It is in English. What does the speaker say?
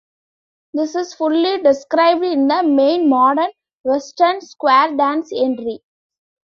This is fully described in the main Modern Western square dance entry.